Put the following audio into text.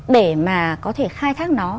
để mà có thể khai thác nó